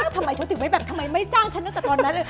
ทำไมโชติไว้แบบทำไมไม่จ้างฉันตั้งแต่ตอนนั้น